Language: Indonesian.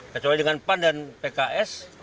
kecuali dengan pan dan pks